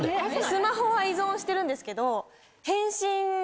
スマホは依存してるんですけど。